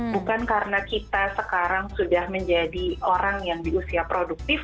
bukan karena kita sekarang sudah menjadi orang yang di usia produktif